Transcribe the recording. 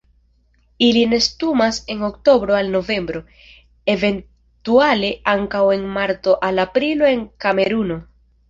Ili nestumas en oktobro al novembro, eventuale ankaŭ en marto al aprilo en Kameruno.